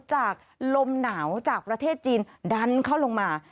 จากลมหนาวจากประเทศจีนดันเข้าลงมา